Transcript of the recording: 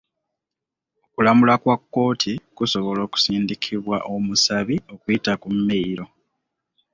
Okulamulwa kwa kkooti kusobola okusindikibwa omusabi okuyita ku meyiro.